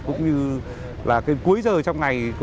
cũng như là cuối giờ trong ngày